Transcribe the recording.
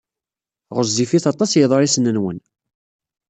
Ɣezzifit aṭas yeḍrisen-nwen.